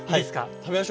食べましょう。